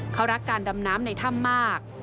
เขารักการดำน้ำในถ้ำมาก